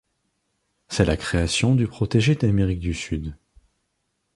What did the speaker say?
C'est la création du protégé d'Amérique du Sud.